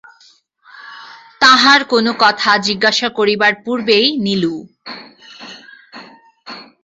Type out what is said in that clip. তাহার কোন কথা জিজ্ঞাসা করিবার পূর্বেই নীলু।